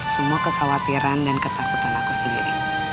semua kekhawatiran dan ketakutan aku sendiri